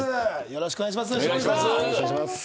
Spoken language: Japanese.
よろしくお願いします